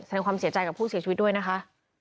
แสดงความเสียใจกับผู้เสียชีวิตด้วยนะคะ